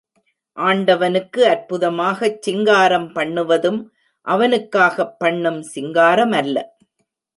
ஆண்டவனுக்கு அற்புதமாகச் சிங்காரம் பண்ணுவதும் அவனுக்காகப் பண்ணும் சிங்காரமல்ல.